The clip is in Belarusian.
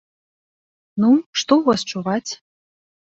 Ну, што ў вас чуваць?